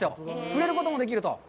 触れることもできると。